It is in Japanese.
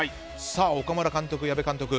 岡村監督、矢部監督